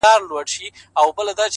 o هغه به چاسره خبري کوي،